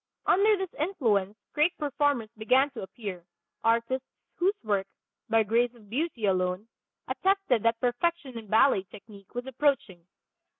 Under this influence great performers began to appear, artists whose work, by grace of beauty alone, attested that perfection in ballet technique was approaching.